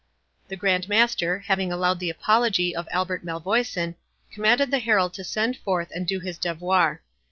The Grand Master, having allowed the apology of Albert Malvoisin, commanded the herald to stand forth and do his devoir.